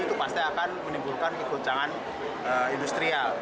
itu pasti akan menimbulkan kegoncangan industrial